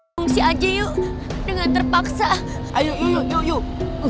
fungsi aja yuk dengan terpaksa ayo yuk